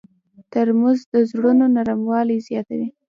ترموز د زړونو نرموالی زیاتوي.